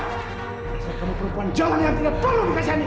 karena kamu perempuan jalan yang tidak perlu dikasih hati